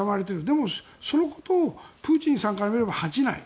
でもそのことをプーチンさんからしたら恥じない。